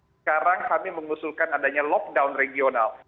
sekarang kami mengusulkan adanya lockdown regional